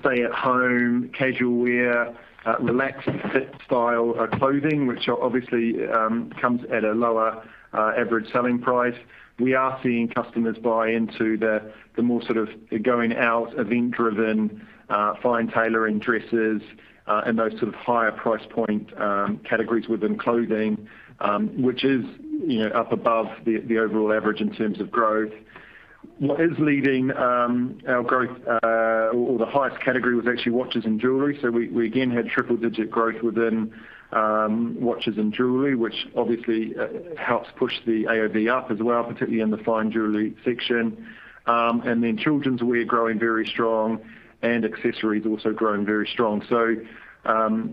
stay-at-home, casual wear, relaxed fit style clothing, which obviously comes at a lower average selling price. We are seeing customers buy into the more going out, event-driven, fine tailoring dresses, and those higher price point categories within clothing, which is up above the overall average in terms of growth. What is leading our growth, or the highest category, was actually watches and jewelry. We again had triple-digit growth within watches and jewelry, which obviously helps push the AOV up as well, particularly in the fine jewelry section. Children's wear growing very strong and accessories also growing very strong.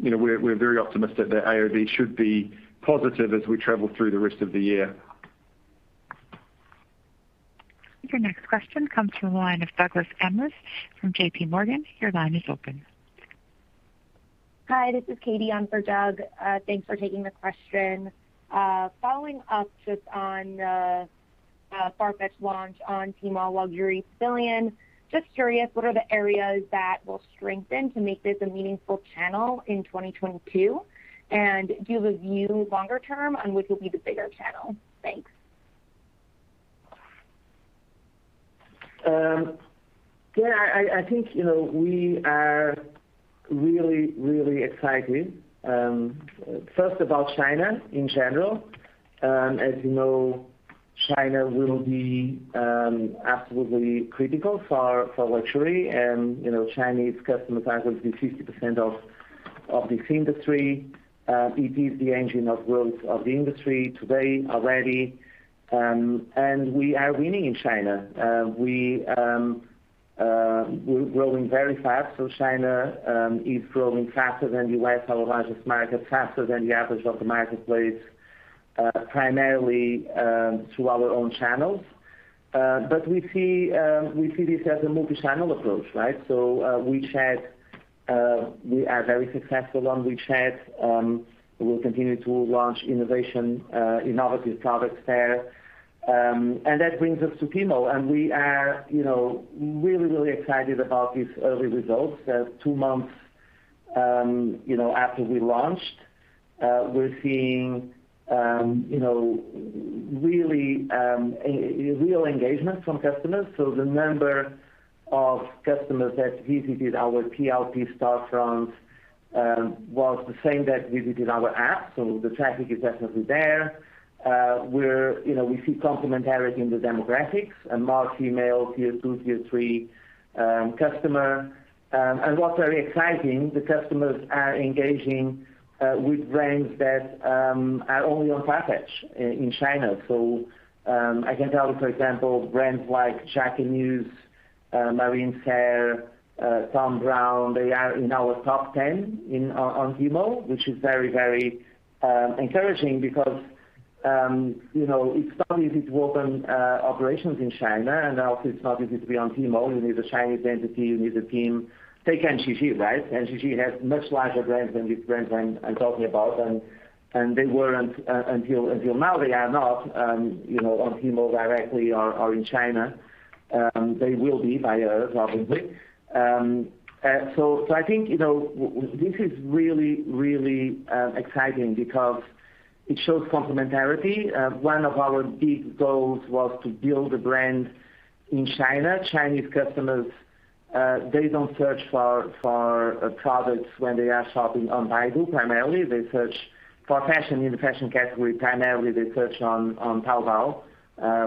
We're very optimistic that AOV should be positive as we travel through the rest of the year. Your next question comes from the line of Douglas Anmuth from J.P. Morgan. Your line is open. Hi, this is Katie on for Doug. Thanks for taking the question. Following up just on the Farfetch launch on Tmall Luxury Pavilion, just curious, what are the areas that will strengthen to make this a meaningful channel in 2022? Do you have a view longer term on which will be the bigger channel? Thanks. Yeah, I think, we are really excited. First about China in general. As you know, China will be absolutely critical for luxury, and Chinese customers are going to be 50% of this industry. It is the engine of growth of the industry today already, and we are winning in China. We're growing very fast. China is growing faster than the U.S., our largest market, faster than the average of the marketplace, primarily through our own channels. We see this as a multi-channel approach, right? WeChat, we are very successful on WeChat. We'll continue to launch innovative products there. That brings us to Tmall, and we are really excited about these early results. Two months after we launched, we're seeing real engagement from customers. The number of customers that visited our PLP storefront was the same that visited our app. The traffic is definitely there, we see complementarity in the demographics and more female tier 2, tier 3 customer. What's very exciting, the customers are engaging with brands that are only on Farfetch in China. I can tell you, for example, brands like Jacquemus, Marine Serre, Thom Browne, they are in our top 10 on Tmall, which is very encouraging because it's not easy to open operations in China. Obviously, it's not easy to be on Tmall. You need a Chinese entity. You need a team. Take LVMH, right? LVMH has much larger brands than these brands I'm talking about. They weren't, until now, they are not on Tmall directly or in China. They will be via us, obviously. I think this is really exciting because it shows complementarity. One of our big goals was to build a brand in China. Chinese customers, they don't search for products when they are shopping on Baidu. Primarily, they search for fashion in the fashion category. Primarily, they search on Taobao,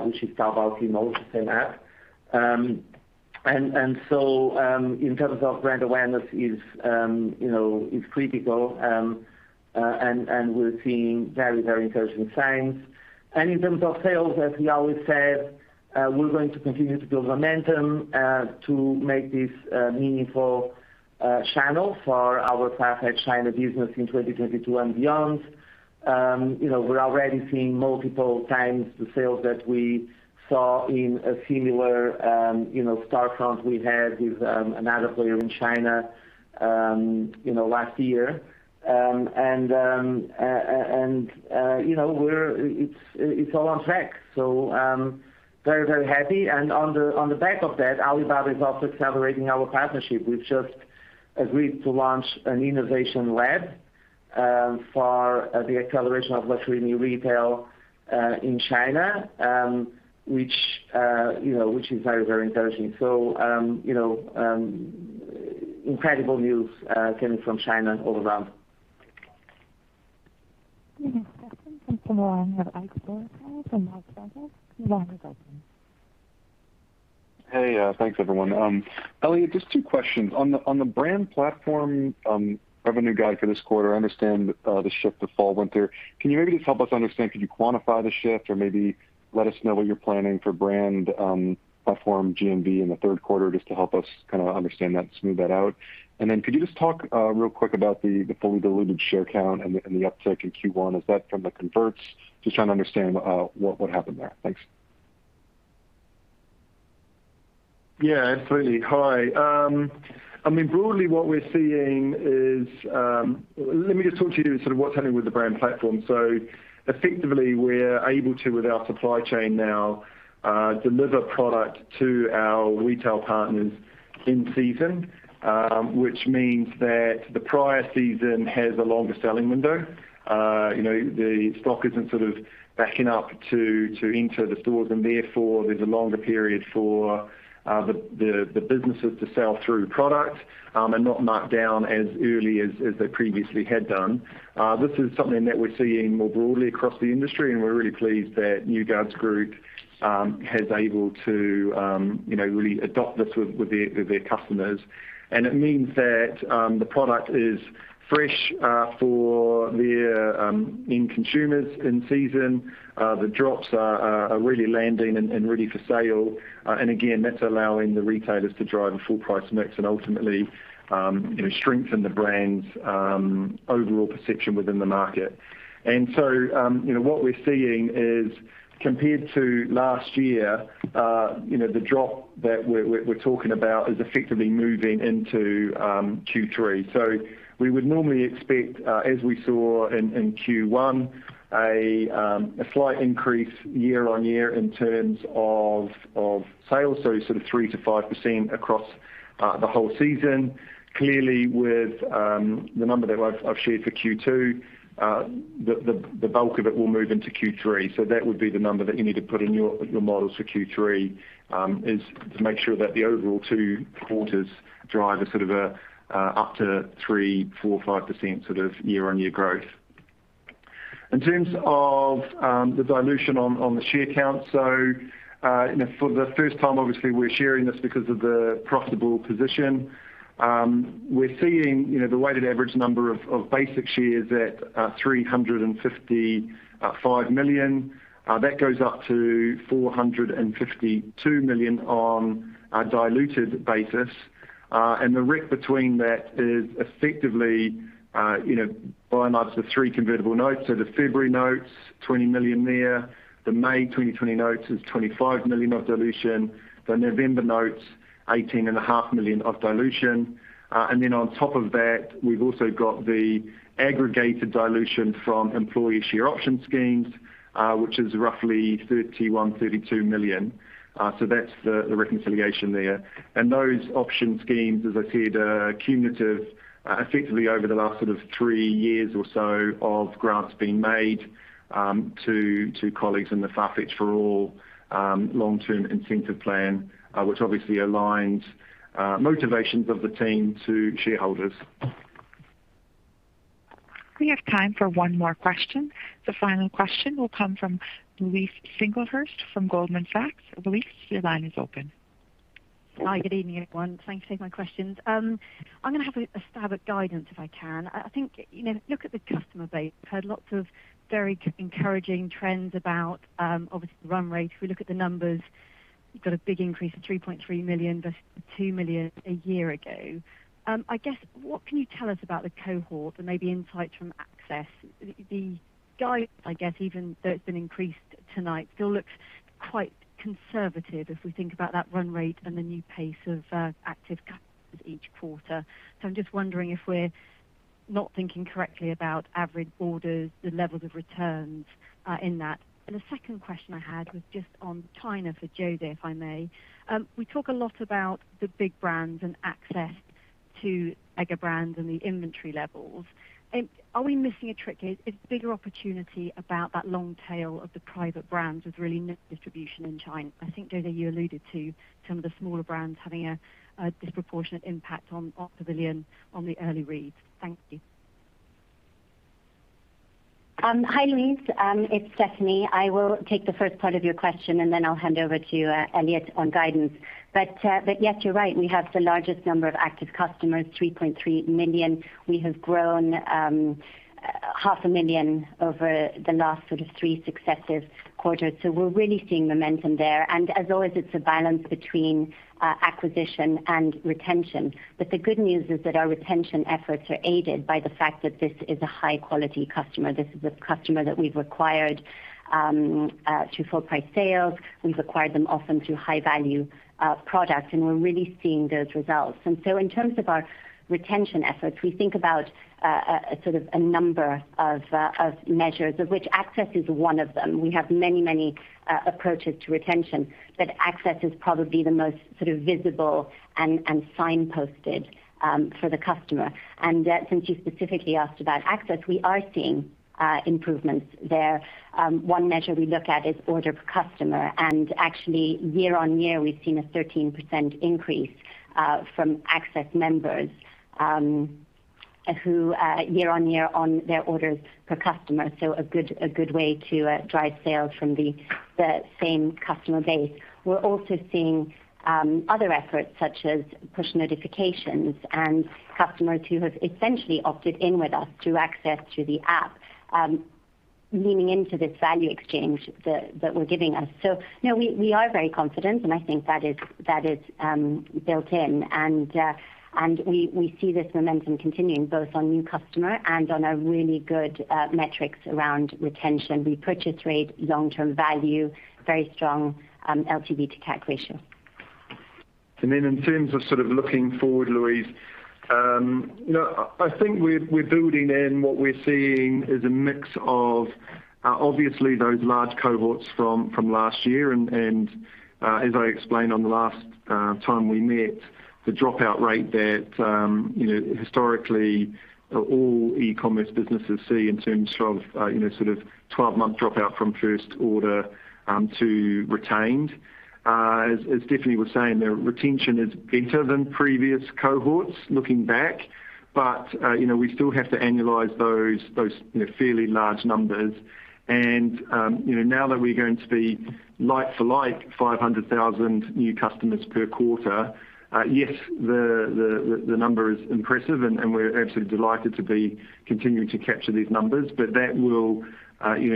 which is Taobao Tmall, the same app. In terms of brand awareness is critical, and we're seeing very encouraging signs. In terms of sales, as we always said, we're going to continue to build momentum to make this a meaningful channel for our Farfetch China business in 2022 and beyond. We're already seeing multiple times the sales that we saw in a similar storefront we had with another player in China last year. It's all on track. Very happy. On the back of that, Alibaba is also accelerating our partnership. We've just agreed to launch an innovation lab for the acceleration of luxury new retail in China, which is very interesting. incredible news coming from China all around. The next question comes from the line of Ike Boruchow from Wells Fargo. Your line is open. Hey, thanks everyone. Elliot, just two questions. On the brand platform revenue guide for this quarter, I understand the shift to fall/winter. Can you maybe just help us understand, could you quantify the shift or maybe let us know what you're planning for brand platform GMV in the third quarter just to help us kind of understand that and smooth that out? Then could you just talk real quick about the fully diluted share count and the uptick in Q1? Is that from the converts? Just trying to understand what happened there. Thanks. Yeah, absolutely. Hi. Broadly what we're seeing is, let me just talk to you sort of what's happening with the brand platform. Effectively, we're able to, with our supply chain now, deliver product to our retail partners in season, which means that the prior season has a longer selling window. The stock isn't backing up to enter the stores and therefore there's a longer period for the businesses to sell through product, and not marked down as early as they previously had done. This is something that we're seeing more broadly across the industry, and we're really pleased that New Guards Group has able to really adopt this with their customers. It means that the product is fresh for their end consumers in season. The drops are really landing and ready for sale. Again, that's allowing the retailers to drive a full price mix and ultimately strengthen the brand's overall perception within the market. What we're seeing is, compared to last year, the drop that we're talking about is effectively moving into Q3. We would normally expect, as we saw in Q1, a slight increase year-on-year in terms of sales. Sort of 3%-5% across the whole season. Clearly, with the number that I've shared for Q2, the bulk of it will move into Q3. That would be the number that you need to put in your models for Q3, is to make sure that the overall two quarters drive a sort of up to 3%, 4%, 5% year-on-year growth. In terms of the dilution on the share count. For the first time, obviously, we're sharing this because of the profitable position. We're seeing the weighted average number of basic shares at 355 million. That goes up to 452 million on a diluted basis. The rec between that is effectively, by and large, the three convertible notes. The February notes, 20 million there. The May 2020 notes is 25 million of dilution. The November notes, 18.5 million of dilution. On top of that, we've also got the aggregated dilution from employee share option schemes, which is roughly 31 to 32 million. That's the reconciliation there. Those option schemes, as I said, are cumulative, effectively over the last three years or so of grants being made to colleagues in the Farfetch For All long-term incentive plan, which obviously aligns motivations of the team to shareholders. We have time for one more question. The final question will come from Louise Singlehurst from Goldman Sachs. Louise, your line is open. Hi, good evening, everyone. Thank Thank you for taking my questions. I'm going to have a stab at guidance, if I can. I think, look at the customer base. Heard lots of very encouraging trends about, obviously, the run rate. If we look at the numbers, you've got a big increase of 3.3 million versus the 2 million a year ago. I guess, what can you tell us about the cohort and maybe insights from Access? The guidance, I guess, even though it's been increased tonight, still looks quite conservative if we think about that run rate and the new pace of active customers each quarter. I'm just wondering if we're not thinking correctly about average orders, the levels of returns in that. A second question I had was just on China for José Neves, if I may. We talk a lot about the big brands and access to mega brands and the inventory levels. Are we missing a trick? Is bigger opportunity about that long tail of the private brands with really no distribution in China? I think, José Neves, you alluded to some of the smaller brands having a disproportionate impact on Pavilion on the early reads. Thank you. Hi, Louise. It's Stephanie. I will take the first part of your question, and then I'll hand over to you, Elliot, on guidance. Yes, you're right. We have the largest number of active customers, 3.3 million. We have grown half a million over the last three successive quarters. We're really seeing momentum there. As always, it's a balance between acquisition and retention. The good news is that our retention efforts are aided by the fact that this is a high-quality customer. This is a customer that we've acquired to full price sales. We've acquired them often through high-value products, and we're really seeing those results. In terms of our retention efforts, we think about a number of measures, of which Access is one of them. We have many approaches to retention, but Access is probably the most visible and signposted for the customer. Since you specifically asked about Access, we are seeing improvements there. One measure we look at is order per customer. Actually year-on-year, we've seen a 13% increase from Access members who year-on-year on their orders per customer. A good way to drive sales from the same customer base. We're also seeing other efforts, such as push notifications and customers who have essentially opted in with us through Access through the app, leaning into this value exchange that we're giving us. No, we are very confident, and I think that is built in. We see this momentum continuing both on new customer and on our really good metrics around retention, repurchase rate, long-term value, very strong LTV to CAC ratio. In terms of looking forward, Louise, I think we're building in what we're seeing is a mix of obviously those large cohorts from last year. As I explained on the last time we met, the dropout rate that historically all e-commerce businesses see in terms of 12-month dropout from first order to retained. As Stephanie was saying, the retention is better than previous cohorts looking back, but we still have to annualize those fairly large numbers. Now that we're going to be like for like 500,000 new customers per quarter, yes, the number is impressive, and we're absolutely delighted to be continuing to capture these numbers, but that will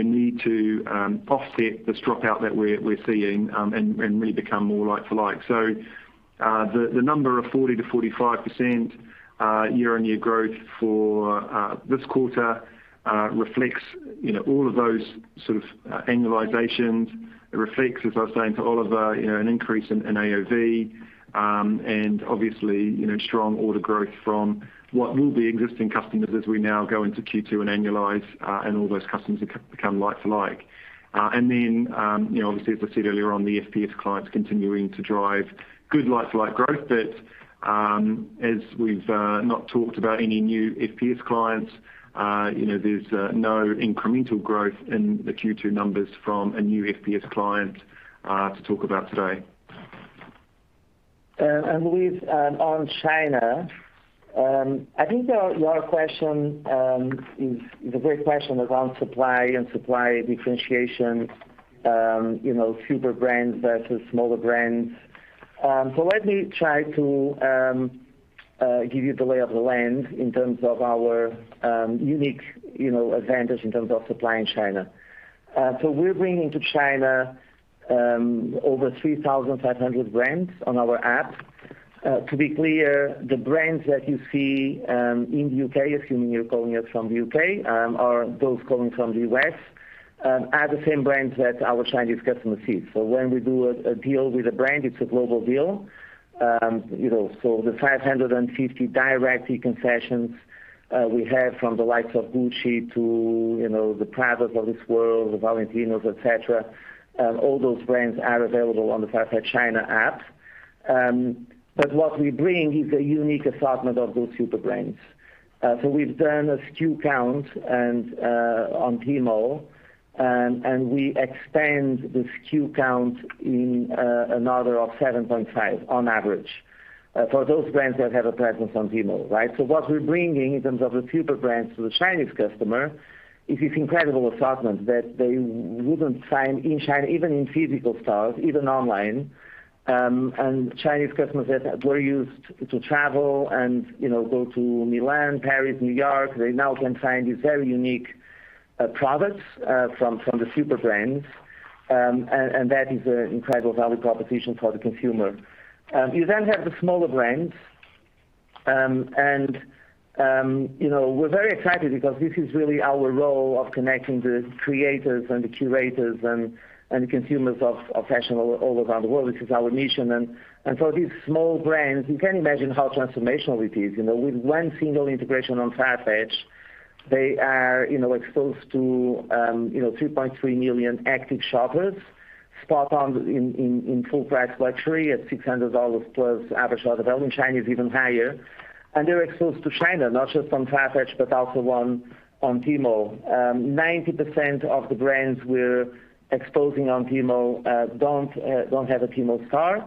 need to offset this dropout that we're seeing and really become more like for like. The number of 40%-45% year-on-year growth for this quarter reflects all of those sort of annualizations. It reflects, as I was saying to Oliver Chen, an increase in AOV, and obviously, strong order growth from what will be existing customers as we now go into Q2 and annualize, and all those customers become like for like. Obviously, as I said earlier on, the FPS clients continuing to drive good like-for-like growth. As we've not talked about any new FPS clients, there's no incremental growth in the Q2 numbers from a new FPS client to talk about today. Louise, on China, I think your question is the great question around supply and supply differentiation, super brands versus smaller brands. Let me try to give you the lay of the land in terms of our unique advantage in terms of supply in China. We're bringing to China over 3,500 brands on our app. To be clear, the brands that you see in the U.K., assuming you're calling us from the U.K., or those calling from the U.S., are the same brands that our Chinese customers see. When we do a deal with a brand, it's a global deal. The 550 direct e-concessions we have from the likes of Gucci to the Pradas of this world, the Valentinos, et cetera, all those brands are available on the Farfetch China app. What we bring is a unique assortment of those super brands. We've done a SKU count on Tmall, and we expand the SKU count in an order of 7.5 on average for those brands that have a presence on Tmall, right? What we're bringing in terms of the super brands to the Chinese customer is this incredible assortment that they wouldn't find in China, even in physical stores, even online. Chinese customers that were used to travel and go to Milan, Paris, New York, they now can find these very unique products from the super brands, and that is an incredible value proposition for the consumer. You have the smaller brands, we're very excited because this is really our role of connecting the creators and the curators and the consumers of fashion all around the world. This is our mission. These small brands, you can imagine how transformational it is. With one single integration on Farfetch, they are exposed to 3.3 million active shoppers, spot on in full price luxury at $600 plus average order value. In China, it's even higher. They're exposed to China, not just on Farfetch, but also on Tmall. 90% of the brands we're exposing on Tmall don't have a Tmall store.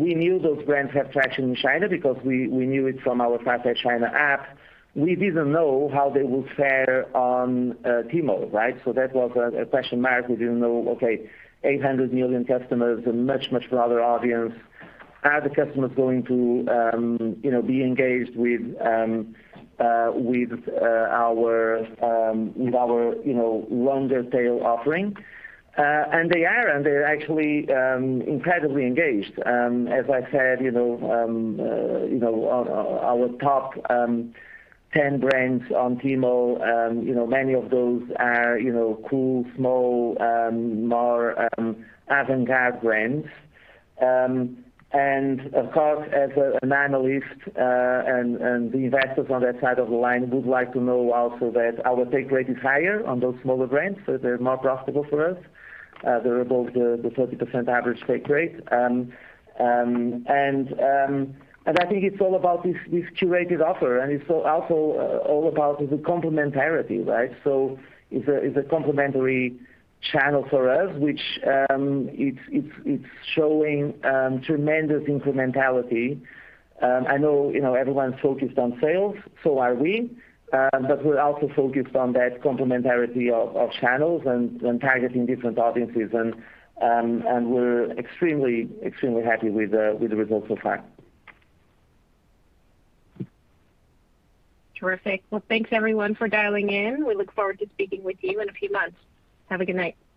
We knew those brands have traction in China because we knew it from our Farfetch China app. We didn't know how they would fare on Tmall, right? That was a question mark. We didn't know, okay, 800 million customers, a much, much broader audience. Are the customers going to be engaged with our longer tail offering? And they are, and they're actually incredibly engaged. As I said, our top 10 brands on Tmall, many of those are cool, small, more avant-garde brands. Of course, as an analyst, and the investors on that side of the line would like to know also that our take rate is higher on those smaller brands, so they're more profitable for us. They're above the 30% average take rate. I think it's all about this curated offer, and it's also all about the complementarity, right? It's a complementary channel for us, which it's showing tremendous incrementality. I know everyone's focused on sales, so are we, but we're also focused on that complementarity of channels and targeting different audiences. We're extremely happy with the results so far. Terrific. Thanks everyone for dialing in. We look forward to speaking with you in a few months. Have a good night.